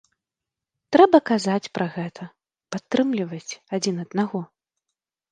Трэба казаць пра гэта, падтрымліваць адзін аднаго.